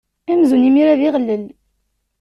Amzun imira d iɣlel.